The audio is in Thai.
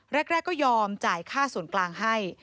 แรกก็ยอมจ่ายค่าส่วนกลางให้